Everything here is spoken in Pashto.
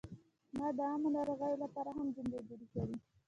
ما د عامو ناروغیو لپاره هم جملې جوړې کړې.